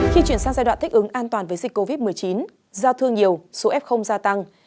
khi chuyển sang giai đoạn thích ứng an toàn với dịch covid một mươi chín giao thương nhiều số f gia tăng